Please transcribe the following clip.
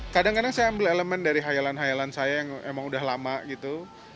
kadang kadang saya ambil elemen dari hayalan hayalan saya yang emang udah lama gitu